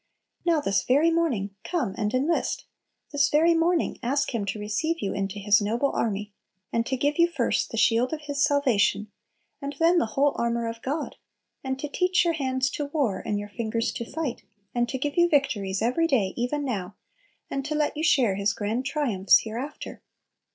Now, this very morning, come and enlist! This very morning ask Him to receive you into His noble army, and to give you first the shield of His salvation, and then the whole armor of God, and to "teach your hands to war and your fingers to fight," and to give you victories every day even now, and to let you share His grand triumphs hereafter.